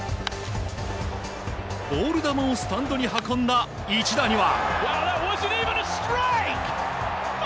ボール球をスタンドに運んだ一打には。